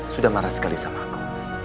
sudah marah sekali sama aku